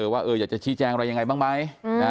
ว่าอยากจะชี้แจงอะไรยังไงบ้างไหม